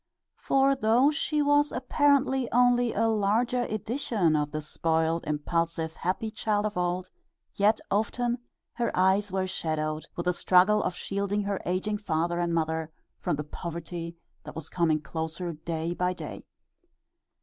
For though she was apparently only a larger edition of the spoiled, impulsive happy child of old, yet often her eyes were shadowed with the struggle of shielding her aging father and mother from the poverty that was coming closer day by day.